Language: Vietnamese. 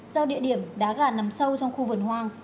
do địa điểm đá gà nằm sâu trong khu vườn hoang